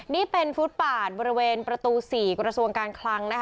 นี่เป็นฟูดปากบริเวณประตู๔กรสวนการคลัง